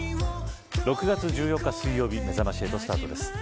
６月１４日水曜日めざまし８スタートです。